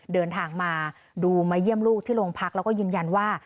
เดินทางมาดูมาเยี่ยมลูกที่โรงพักแล้วก็ยืนยันว่า